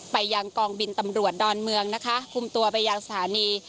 ไปยังกองบินตำรวจดอนเมืองนะคะคุมตัวไปยังสถานี